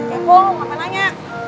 eh gue mau ngepelanya